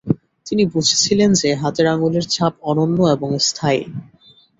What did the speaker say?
তিনি বুঝেছিলেন যে, হাতের আঙুলের ছাপ অনন্য এবং স্থায়ী।